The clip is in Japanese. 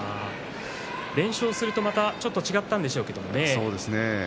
連勝するとまた違ったんでしょうけどね。